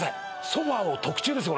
ソファを特注ですよ